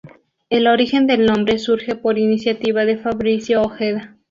El origen del nombre surge por iniciativa de Fabricio Ojeda.